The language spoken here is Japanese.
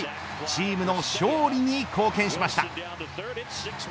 チームの勝利に貢献しました。